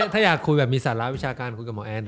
ถ้าอยากมีสาระวิชาการคุยกับหมอแอร์